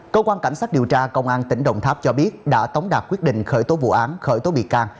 cơ quan cảnh sát điều tra công an tỉnh đồng tháp cho biết đã tống đạt quyết định khởi tố vụ án khởi tố bị can